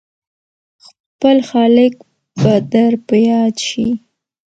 خپل خالق به در په ياد شي !